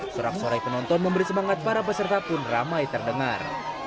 sorak sorai penonton memberi semangat para peserta pun ramai terdengar